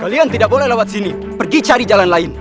kalian tidak boleh lewat sini pergi cari jalan lain